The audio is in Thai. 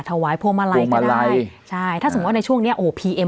ถวายพวงมาลัยก็ได้พวงมาลัยใช่ถ้าสมมติว่าในช่วงเนี้ยโอ้ย